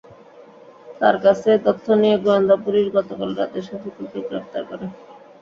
তাঁর কাছ থেকে তথ্য নিয়ে গোয়েন্দা পুলিশ গতকাল রাতে শফিকুলকে গ্রেপ্তার করে।